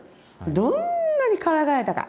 どんなにかわいがられたか。